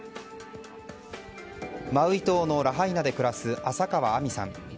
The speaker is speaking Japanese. マウイ島のラハイナで暮らす浅川明海さん。